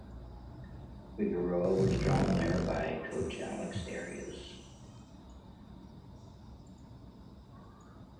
Figueroa was drawn there by coach Alex Arias.